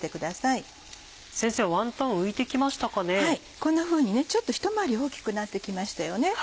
こんなふうにちょっとひと回り大きくなって来ましたよね。